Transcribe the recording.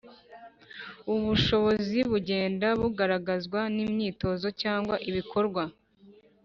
Ubu bushobozi bugenda bugaragazwa n’imyitozo cyangwa ibikorwa